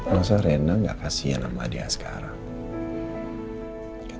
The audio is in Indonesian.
masa rena gak kasihan sama adik asgara